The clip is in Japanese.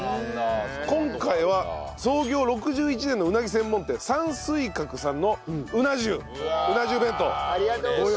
今回は創業６１年のうなぎ専門店山水閣さんのうな重うな重弁当ご用意致しました。